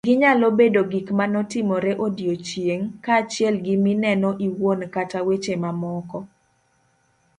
Ginyalo bedo gik manotimore odiochieng' , kaachiel gi mineno iwuon kata weche mamoko